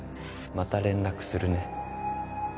また連絡するね